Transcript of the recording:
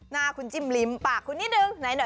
หน้าคุณจิ้มลิ้มปากคุณนิดนึง